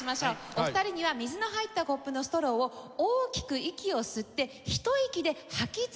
お二人には水の入ったコップのストローを大きく息を吸ってひと息で吐き続けて頂きます。